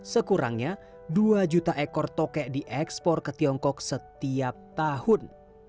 sekurangnya dua juta ekor tokek diekspor ke tiongkok setiap tahun